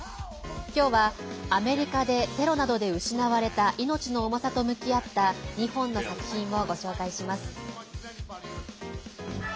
今日は、アメリカでテロなどで失われた命の重さと向き合った２本の作品をご紹介します。